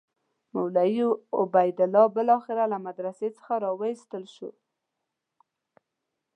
مولوي عبیدالله بالاخره له مدرسې څخه وایستل شو.